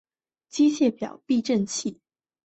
机械表避震器就是吸收冲击带来的能量。